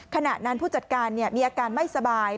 ขณะนั้นผู้จัดการมีอาการไม่สบาย